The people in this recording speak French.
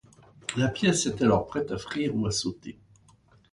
La pièce est alors prête à frire ou à sauter.